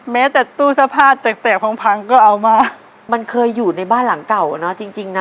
แม้แต่ตู้เสื้อผ้าแตกพังก็เอามามันเคยอยู่ในบ้านหลังเก่านะจริงนะ